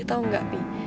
tau gak bi